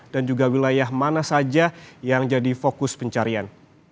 dan juga wilayah mana saja yang jadi fokus pencarian